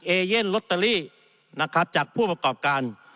เอเย่นลอตเตอรี่นะครับจากผู้ประกอบการ